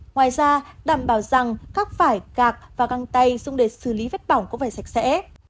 ngoài ra đảm bảo rằng các vải gạc và găng tay dùng để xử lý vết bỏng cũng phải sạch sẽ